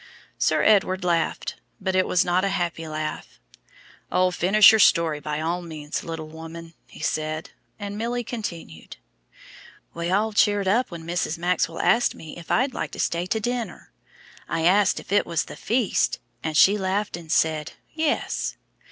Sir Edward laughed, but it was not a happy laugh. "Oh, finish your story by all means, little woman," he said, and Milly continued: "We all cheered up when Mrs. Maxwell asked me if I'd like to stay to dinner. I asked if it was the feast, and she laughed and said, 'Yes.'